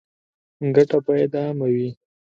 ګټه باید عامه وي